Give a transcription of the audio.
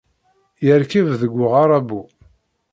Yerkeb deg uɣaṛabu